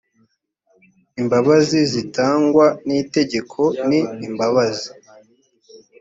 imbabazi zitangwa n itegeko ni imbabazi